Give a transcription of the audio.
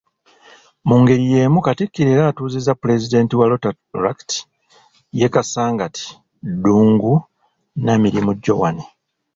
Mu ngeri yeemu, Katikkiro era atuuzizza pulezidenti wa Rotaract ye Kasangati Ddungu Namirimu Joana.